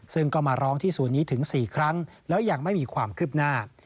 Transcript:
ซึ่งก็มาร้องที่ศูนย์นี้ถึง๔ครั้งแล้วยังไม่มีความคืบหน้า